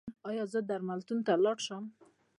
ایا زه درملتون ته لاړ شم؟